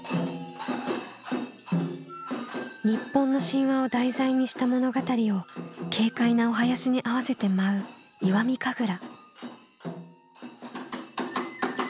日本の神話を題材にした物語を軽快なお囃子に合わせて舞う石見神楽。